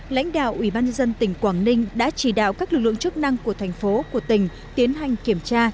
lãnh đạo ủy ban dân tỉnh quảng ninh đã chỉ đạo các lực lượng chức năng của thành phố của tỉnh tiến hành kiểm tra